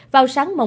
vào sáng mùa xuân